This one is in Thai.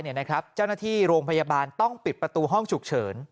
เจ้าหน้าที่โรงพยาบาลต้องปิดประตูห้องฉุกเฉิน